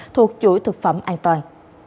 thuộc chuỗi thực phẩm an toàn